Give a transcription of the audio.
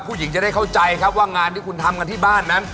จะได้เข้าใจครับว่างานที่คุณทำกันที่บ้านนั้น